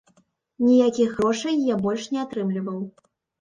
Ніякіх грошай я больш не атрымліваў.